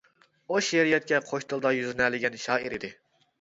ئۇ شېئىرىيەتكە قوش تىلدا يۈزلىنەلىگەن شائىر ئىدى.